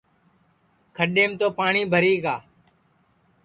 کھڈؔیم تو پاٹؔی بھری گا